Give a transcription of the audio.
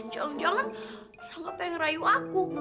jangan jangan rangga pengen rayu aku